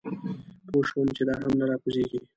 پوی شوم چې دا هم نه راکوزېږي.